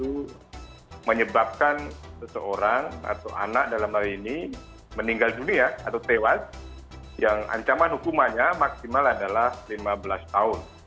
itu menyebabkan seseorang atau anak dalam hal ini meninggal dunia atau tewas yang ancaman hukumannya maksimal adalah lima belas tahun